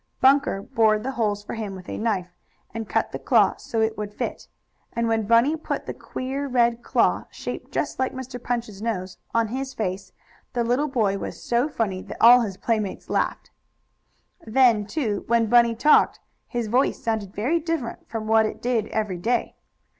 Bunker bored the holes for him with a knife, and cut the claw so it would fit, and when Bunny put the queer red claw, shaped just like Mr. Punch's nose, on his face, the little boy was so funny that all his playmates laughed. Then, too, when Bunny talked, his voice sounded very different from what it did every day.